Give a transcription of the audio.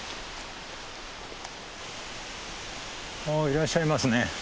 いらっしゃいますね。